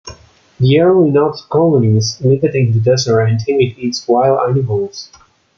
The early Nort colonists lived in the desert and tamed its wild animals.